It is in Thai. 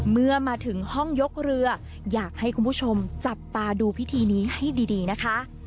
เมื่อมาถึงห้องยกเรืออยากให้คุณผู้ชมจับตาดูพิธีนี้ให้ดีนะคะ